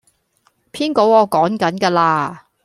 篇稿我趕緊架喇